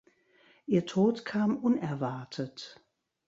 Ihr Tod kam unerwartet.